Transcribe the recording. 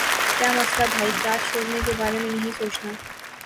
کیا مسلہ بھائی؟ کلاس چھوڑنے کے بارے میں نہیں سوچنا۔